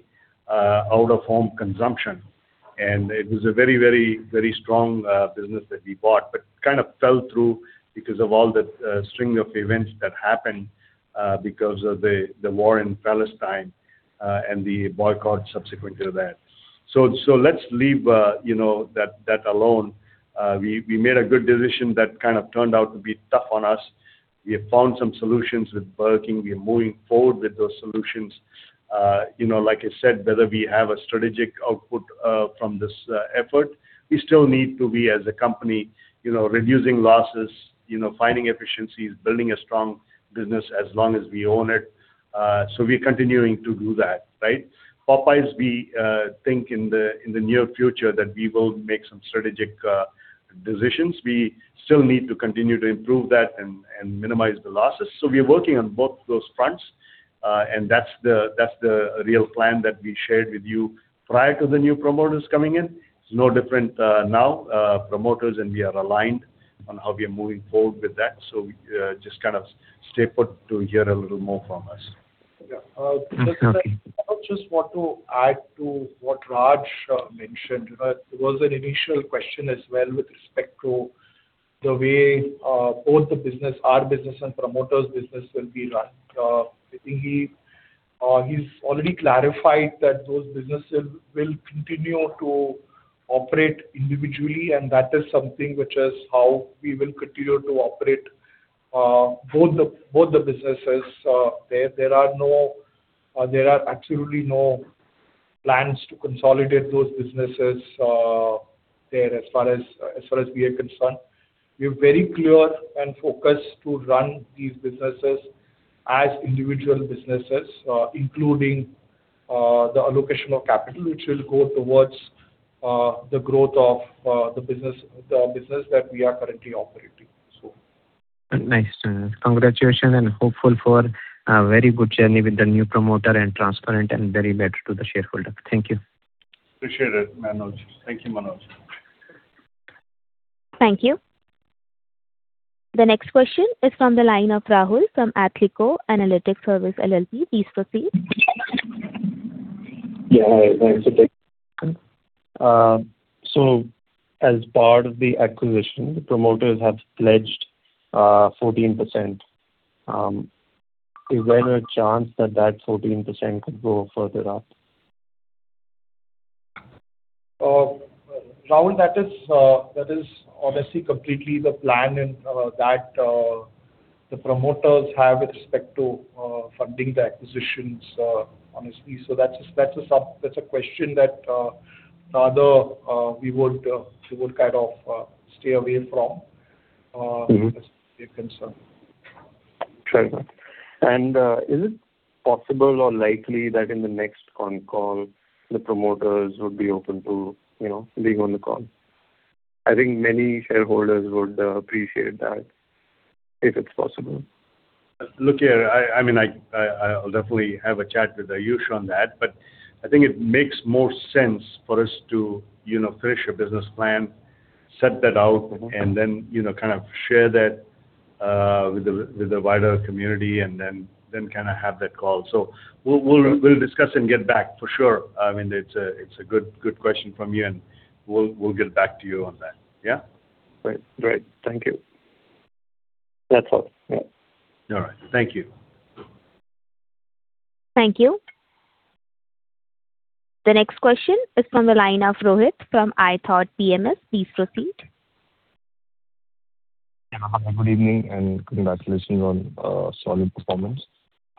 out-of-home consumption. It was a very strong business that we bought, kind of fell through because of all the string of events that happened because of the war in Palestine and the boycott subsequent to that. Let's leave that alone. We made a good decision that kind of turned out to be tough on us. We have found some solutions with Burger King. We are moving forward with those solutions. Like I said, whether we have a strategic output from this effort, we still need to be, as a company, reducing losses, finding efficiencies, building a strong business as long as we own it. We're continuing to do that, right? Popeyes, we think in the near future that we will make some strategic decisions. We still need to continue to improve that and minimize the losses. We are working on both those fronts, that's the real plan that we shared with you prior to the new promoters coming in. It's no different now. Promoters and we are aligned on how we are moving forward with that. Just kind of stay put to hear a little more from us. Yeah. I just want to add to what Raj mentioned. There was an initial question as well with respect to the way both the business, our business and promoters business will be run. I think he's already clarified that those businesses will continue to operate individually, and that is something which is how we will continue to operate both the businesses. There are absolutely no plans to consolidate those businesses there as far as we are concerned. We're very clear and focused to run these businesses as individual businesses, including the allocation of capital, which will go towards the growth of the business that we are currently operating. So. Nice. Congratulations and hopeful for a very good journey with the new promoter and transparent and very better to the shareholder. Thank you. Appreciate it, Manoj. Thank you, Manoj. Thank you. The next question is from the line of Rahul Kumar from Athletico Analytic Services LLP. Please proceed. Hi. Thanks for taking my question. As part of the acquisition, the promoters have pledged 14%. Is there a chance that that 14% could go further up? Rahul, that is honestly completely the plan that the promoters have with respect to funding the acquisitions, honestly. That's a question that rather we would kind of stay away from. As to your concern. Sure. Is it possible or likely that in the next con call, the promoters would be open to being on the call? I think many shareholders would appreciate that, if it's possible. Look here, I'll definitely have a chat with Aayush on that, but I think it makes more sense for us to finish a business plan, set that out and then kind of share that with the wider community and then have that call. We'll discuss and get back for sure. It's a good question from you, and we'll get back to you on that. Yeah? Great. Thank you. That's all. Yeah. All right. Thank you. Thank you. The next question is from the line of Rohit Balakrishnan from iThought PMS. Please proceed. Hi, good evening. Congratulations on a solid performance.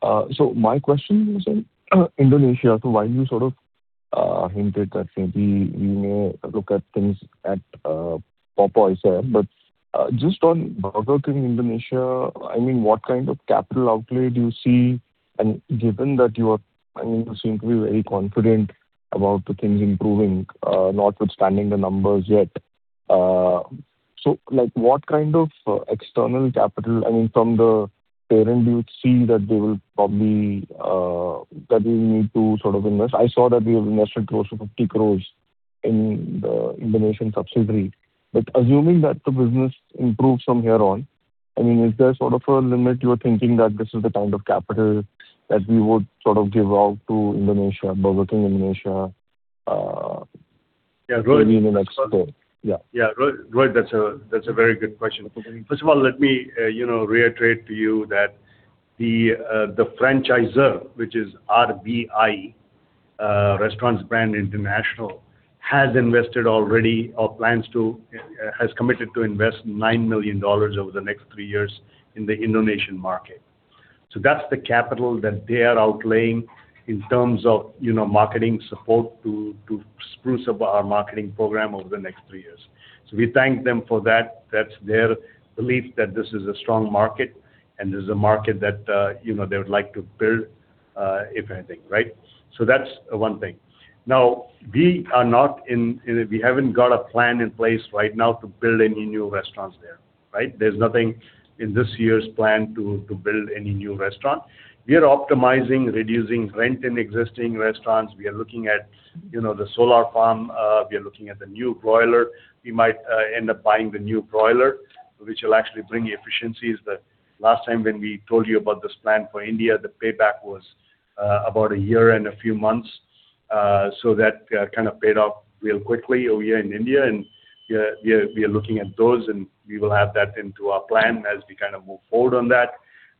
My question was on Indonesia. While you sort of hinted that maybe we may look at things at Popeyes there, just on Burger King Indonesia, what kind of capital outlay do you see? Given that you seem to be very confident about the things improving notwithstanding the numbers yet. What kind of external capital, from the parent you would see that they will need to invest? I saw that we have invested close to 50 crore in the Indonesian subsidiary. Assuming that the business improves from here on, is there sort of a limit you're thinking that this is the kind of capital that we would give out to Indonesia, Burger King Indonesia? Rohit. Maybe in the next quarter. Rohit, that's a very good question. First of all, let me reiterate to you that the franchisor, which is RBI, Restaurant Brands International, has invested already or has committed to invest $9 million over the next three years in the Indonesian market. That's the capital that they are outlaying in terms of marketing support to spruce up our marketing program over the next three years. We thank them for that. That's their belief that this is a strong market, this is a market that they would like to build, if anything, right? That's one thing. We haven't got a plan in place right now to build any new restaurants there. Right? There's nothing in this year's plan to build any new restaurant. We are optimizing, reducing rent in existing restaurants. We are looking at the solar farm. We are looking at the new broiler. We might end up buying the new broiler, which will actually bring efficiencies that last time when we told you about this plan for India, the payback was about a year and a few months. That kind of paid off real quickly over here in India. We are looking at those. We will add that into our plan as we move forward on that.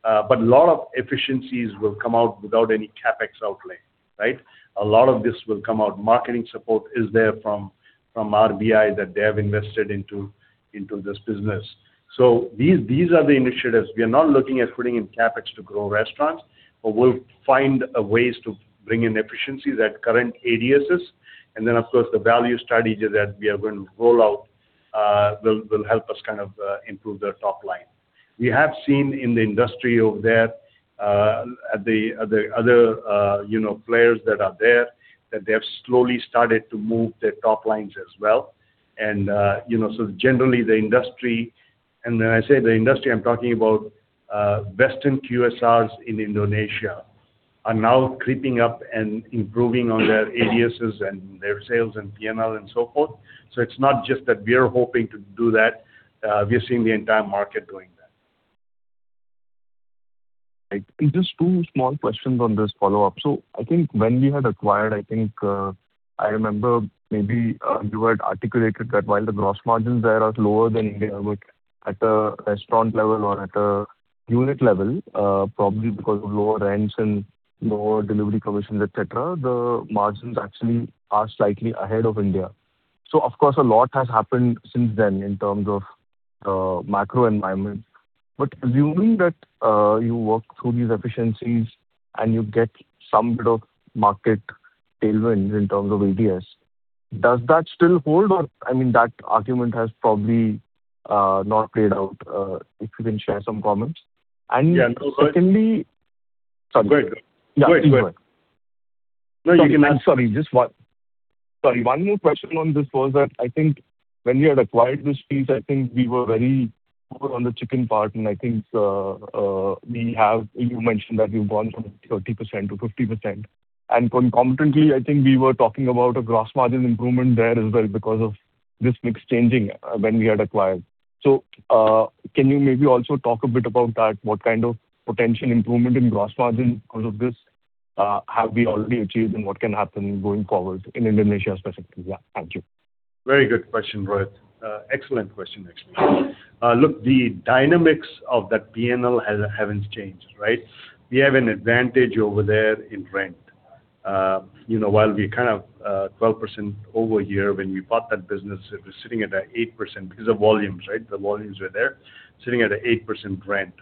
A lot of efficiencies will come out without any CapEx outlay, right? A lot of this will come out. Marketing support is there from RBI that they have invested into this business. These are the initiatives. We are not looking at putting in CapEx to grow restaurants. We'll find ways to bring in efficiencies at current ADSs. Of course, the value strategy that we are going to roll out will help us kind of improve the top line. We have seen in the industry over there, at the other players that are there, that they have slowly started to move their top lines as well. Generally the industry, and when I say the industry, I'm talking about Western QSRs in Indonesia, are now creeping up and improving on their ADSs and their sales and P&L and so forth. It's not just that we're hoping to do that. We are seeing the entire market doing that. Right. Just two small questions on this follow-up. I think when we had acquired, I think, I remember maybe you had articulated that while the gross margins there are lower than India would at a restaurant level or at a unit level, probably because of lower rents and lower delivery commissions, et cetera, the margins actually are slightly ahead of India. Of course, a lot has happened since then in terms of the macro environment. Assuming that you work through these efficiencies and you get some bit of market tailwinds in terms of ADS, does that still hold or that argument has probably not played out? If you can share some comments. Sorry, just one. Sorry, one more question on this was that I think when we had acquired this piece, I think we were very poor on the chicken part, and I think you mentioned that we've gone from 30%-50%. Concomitantly, I think we were talking about a gross margin improvement there as well because of this mix changing when we had acquired. Can you maybe also talk a bit about that? What kind of potential improvement in gross margin out of this have we already achieved, and what can happen going forward in Indonesia specifically? Yeah. Thank you. Very good question, Rohit. Excellent question, actually. Look, the dynamics of that P&L haven't changed, right? We have an advantage over there in rent. While we kind of 12% over year when we bought that business, it was sitting at an 8% because of volumes, right? The volumes were there sitting at an 8% rent.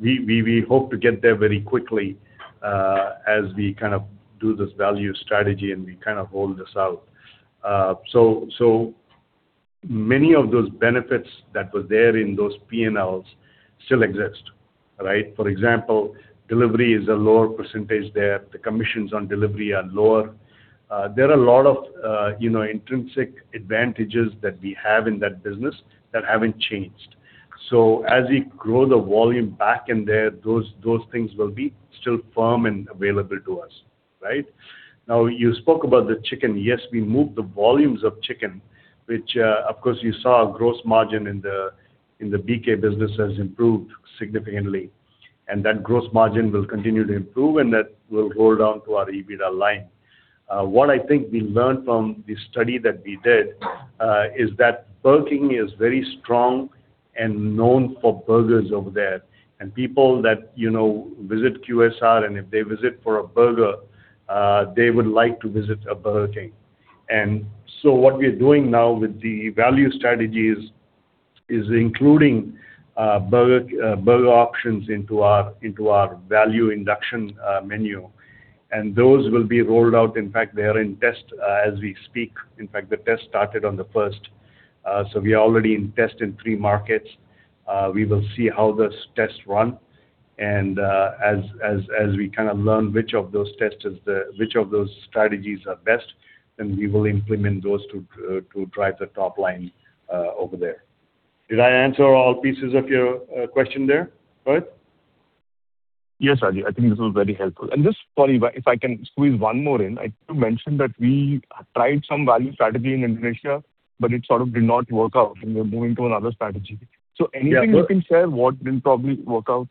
We hope to get there very quickly, as we kind of do this value strategy, and we kind of roll this out. Many of those benefits that were there in those P&Ls still exist, right? For example, delivery is a lower percentage there. The commissions on delivery are lower. There are a lot of intrinsic advantages that we have in that business that haven't changed. As we grow the volume back in there, those things will be still firm and available to us. Right. You spoke about the chicken. Yes, we moved the volumes of chicken, which, of course, you saw gross margin in the BK business has improved significantly, and that gross margin will continue to improve, and that will roll down to our EBITDA line. What I think we learned from the study that we did is that Burger King is very strong and known for burgers over there. People that visit QSR and if they visit for a burger, they would like to visit a Burger King. What we are doing now with the value strategy is including burger options into our value induction menu. Those will be rolled out. In fact, they are in test as we speak. In fact, the test started on the 1st. We are already in test in three markets. We will see how those tests run and as we learn which of those strategies are best, then we will implement those to drive the top line over there. Did I answer all pieces of your question there, Rohit? Yes, Rajeev, I think this was very helpful. Just sorry, but if I can squeeze one more in. I think you mentioned that we tried some value strategy in Indonesia, but it sort of did not work out and we're moving to another strategy. Anything you can share what didn't probably work out?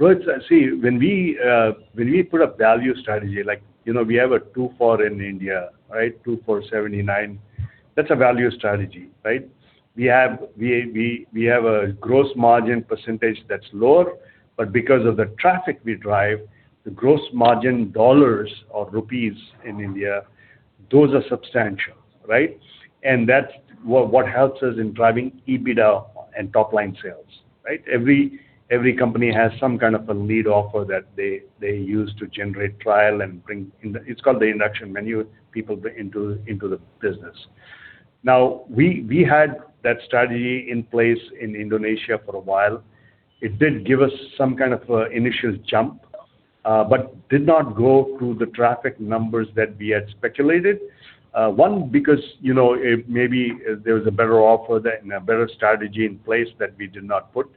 Rohit, when we put a value strategy, like we have a two for in India. Two for 79. That's a value strategy, right? We have a gross margin percentage that's lower, but because of the traffic we drive, the gross margin dollars or rupees in India, those are substantial, right? That's what helps us in driving EBITDA and top-line sales. Right? Every company has some kind of a lead offer that they use to generate trial and bring It's called the induction menu, people into the business. We had that strategy in place in Indonesia for a while. It did give us some kind of initial jump, but did not go to the traffic numbers that we had speculated. One, because maybe there was a better offer and a better strategy in place that we did not put.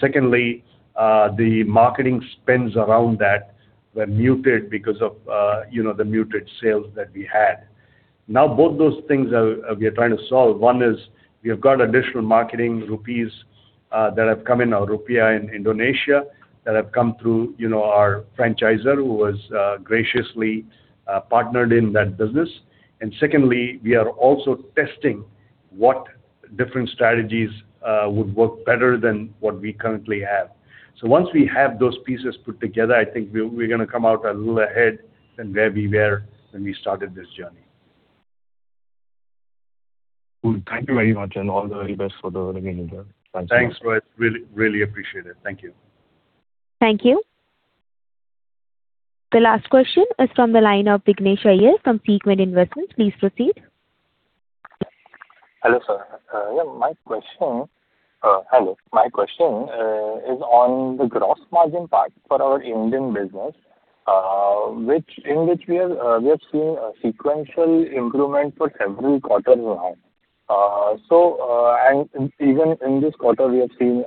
Secondly, the marketing spends around that were muted because of the muted sales that we had. Both those things we are trying to solve. One is we have got additional marketing rupees that have come in, or rupiah in Indonesia that have come through our franchisor who has graciously partnered in that business. Secondly, we are also testing what different strategies would work better than what we currently have. Once we have those pieces put together, I think we're going to come out a little ahead than where we were when we started this journey. Cool. Thank you very much and all the very best for the remaining year. Thanks a lot. Thanks, Rohit. Really appreciate it. Thank you. Thank you. The last question is from the line of Vignesh Iyer from Sequent Investments. Please proceed. Hello, sir. Hello. My question is on the gross margin part for our Indian business, in which we are seeing a sequential improvement for every quarter now. Even in this quarter, we are seeing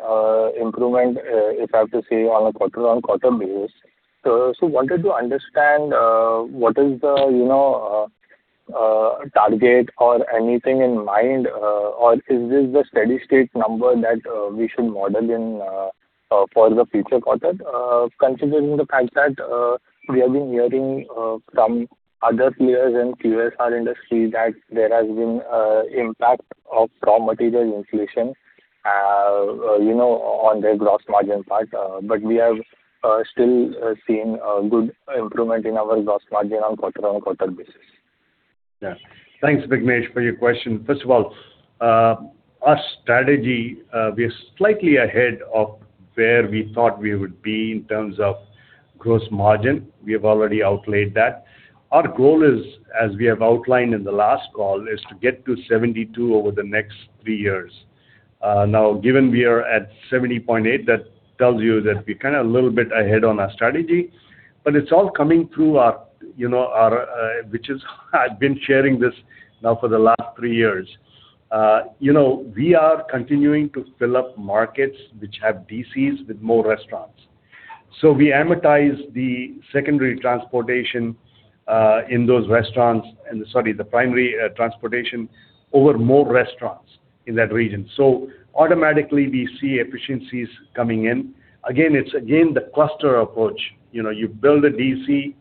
improvement, if I have to say, on a quarter-on-quarter basis. Wanted to understand what is the target or anything in mind or is this the steady state number that we should model in for the future quarter? Considering the fact that we have been hearing from other players in QSR industry that there has been impact of raw material inflation on their gross margin part, we have still seen a good improvement in our gross margin on quarter-on-quarter basis. Yeah. Thanks, Vignesh, for your question. First of all, our strategy, we are slightly ahead of where we thought we would be in terms of gross margin. We have already outlaid that. Our goal is, as we have outlined in the last call, is to get to 72% over the next three years. Given we are at 70.8%, that tells you that we're kind of a little bit ahead on our strategy, but it's all coming through. I've been sharing this now for the last three years. We are continuing to fill up markets which have DCs with more restaurants. We amortize the secondary transportation in those restaurants, sorry, the primary transportation over more restaurants in that region. Automatically, we see efficiencies coming in. Again, it's again the cluster approach. You build a DC,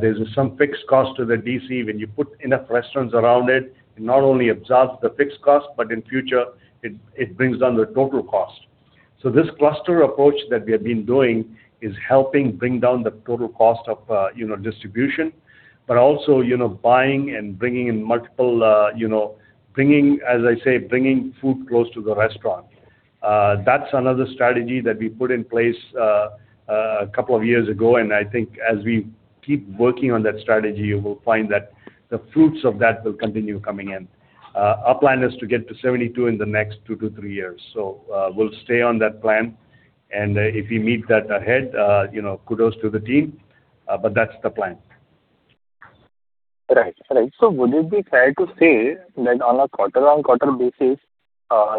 there's some fixed cost to the DC. When you put enough restaurants around it not only absorbs the fixed cost, but in future it brings down the total cost. This cluster approach that we have been doing is helping bring down the total cost of distribution, but also buying and bringing in. As I say, bringing food close to the restaurant. That's another strategy that we put in place a couple of years ago, and I think as we keep working on that strategy, we'll find that the fruits of that will continue coming in. Our plan is to get to 72% in the next two to three years. We'll stay on that plan and if we meet that ahead, kudos to the team, but that's the plan. Right. Would it be fair to say that on a quarter-on-quarter basis,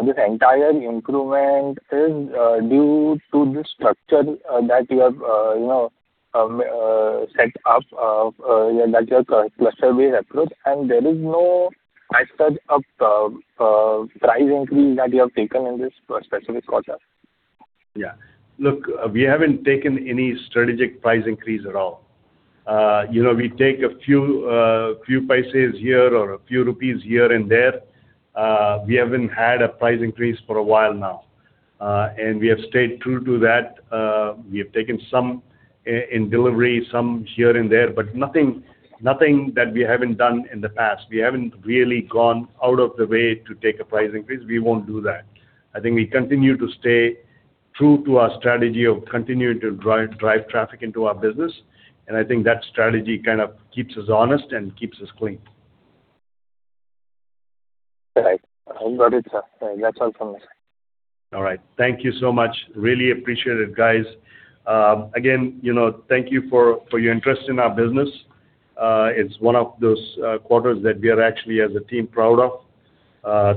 this entire improvement is due to the structure that you have set up, that your cluster-based approach, and there is no as such a price increase that you have taken in this specific quarter? Yeah. Look, we haven't taken any strategic price increase at all. We take a few paisa here or a few rupees here and there. We haven't had a price increase for a while now. We have stayed true to that. We have taken some in delivery, some here and there, but nothing that we haven't done in the past. We haven't really gone out of the way to take a price increase. We won't do that. I think we continue to stay true to our strategy of continuing to drive traffic into our business. I think that strategy kind of keeps us honest and keeps us clean. Right. I've got it, sir. That's all from me, sir. All right. Thank you so much. Really appreciate it, guys. Thank you for your interest in our business. It is one of those quarters that we are actually, as a team, proud of.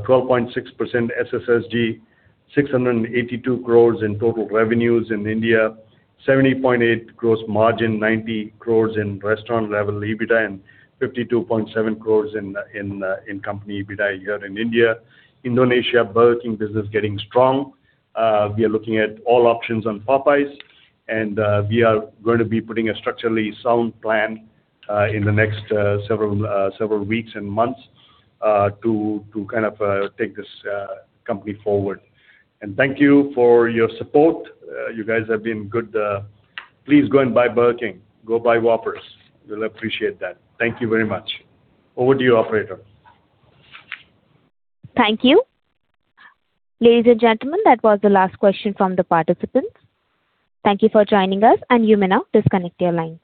12.6% SSSG, 682 crore in total revenues in India, 70.8% gross margin, 90 crore in restaurant level EBITDA, and 52.7 crore in company EBITDA here in India. Indonesia, Burger King business getting strong. We are looking at all options on Popeyes. We are going to be putting a structurally sound plan in the next several weeks and months to take this company forward. Thank you for your support. You guys have been good. Please go and buy Burger King. Go buy Whopper. We will appreciate that. Thank you very much. Over to you, operator. Thank you. Ladies and gentlemen, that was the last question from the participants. Thank you for joining us. You may now disconnect your line.